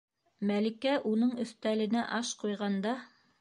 Мәликә уның өҫтәленә аш ҡуйғанда: